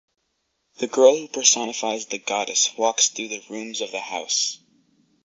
The girl who personifies the goddess walks through the rooms of the house.